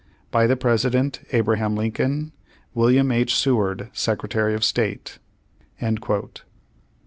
"By the President: ABRAHAM LINCOLN. "William H. Seward, Secretary of State."